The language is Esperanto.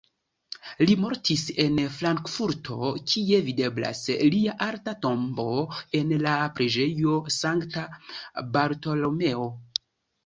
Li mortis en Frankfurto, kie videblas lia alta tombo en la Preĝejo Sankta Bartolomeo.